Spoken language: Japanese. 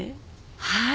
はい。